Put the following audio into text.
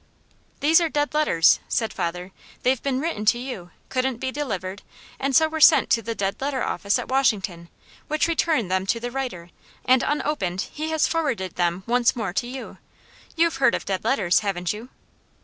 "These are DEAD LETTERS," said father. "They've been written to you, couldn't be delivered, and so were sent to the Dead Letter Office at Washington, which returned them to the writer, and unopened he has forwarded them once more to you. You've heard of dead letters, haven't you?"